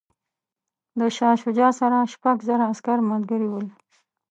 د شاه شجاع سره شپږ زره عسکر ملګري ول.